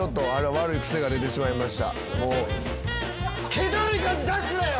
気だるい感じ出すなよ